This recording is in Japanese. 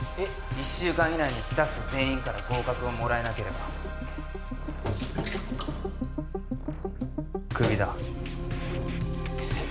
１週間以内にスタッフ全員から合格をもらえなければクビだえっ